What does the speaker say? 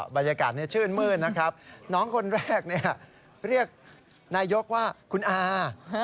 บรรยากาศชื่นมืดนะครับน้องคนแรกเรียกนายกว่าคุณอา